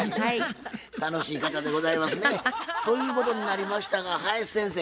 楽しい方でございますね。ということになりましたが林先生